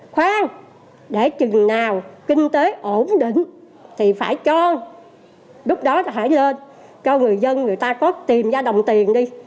khóa để chừng nào kinh tế ổn định thì phải cho lúc đó là phải lên cho người dân người ta có tìm ra đồng tiền đi